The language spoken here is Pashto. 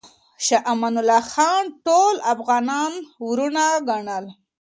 شاه امان الله خان ټول افغانان وروڼه ګڼل.